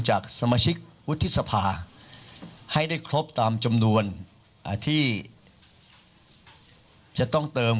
จากสมาชิกวุฒิสภาให้ได้ครบตามจำนวนที่จะต้องเติม